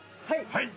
はい！